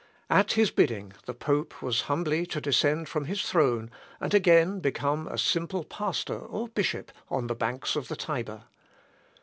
At his bidding, the pope was humbly to descend from his throne, and again become a simple pastor, or bishop, on the banks of the Tiber.